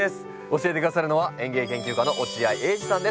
教えて下さるのは園芸研究家の落合英司さんです。